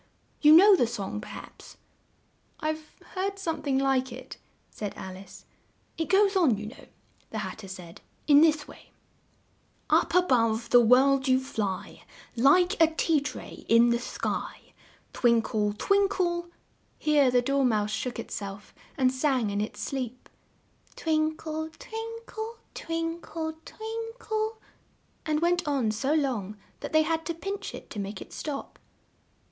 You know the song, per haps?" "I've heard some thing like it," said Alice. "It goes on, you know," the Hat ter said, "in this way: 'Up a bove the world you fly, Like a tea tray in the sky, Twin kle, twin kle '" Here the Dor mouse shook it self and sang in its sleep, "twin kle, twin kle, twin kle, twin kle " and went on so long that they had to pinch it to make it stop.